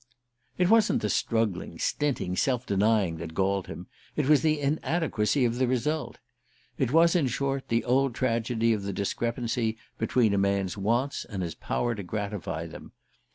It wasn't the struggling, stinting, self denying that galled him it was the inadequacy of the result. It was, in short, the old tragedy of the discrepancy between a man's wants and his power to gratify them.